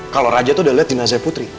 kalau raja tuh udah liat jenazah putri